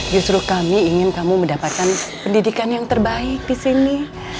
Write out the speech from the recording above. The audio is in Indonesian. justru kami ingin kamu mendapatkan pendidikan yang terbaik disini